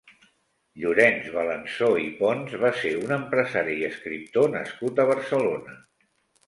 Llorenç Balanzó i Pons va ser un empresari i escriptor nascut a Barcelona.